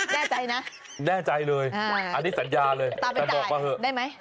แน่ใจนะแน่ใจเลยอันนี้สัญญาเลยแต่บอกมาเถอะได้ไหม